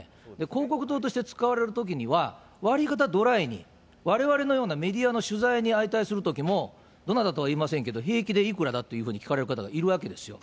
広告塔として使われるときには、わりかたドライに、われわれのようなメディアの取材に相対するときも、どなたとは言いませんけれども、平気でいくらだというふうに聞かれる方がいるわけですよ。